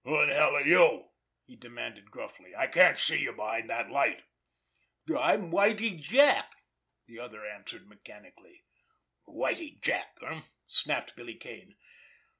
"Who in hell are you?" he demanded gruffly. "I can't see you behind that light." "I'm Whitie Jack," the other answered mechanically. "Whitie Jack, eh?" snapped Billy Kane.